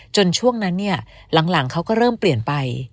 จนช่วงนั้นหลังเขาก็เริ่มเปลี่ยนไป